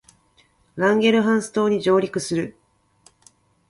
ランゲルハンス島に上陸する